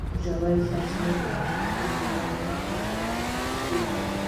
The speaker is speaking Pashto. ژورې سرچینې د افغانستان د ولایاتو په کچه توپیر لري.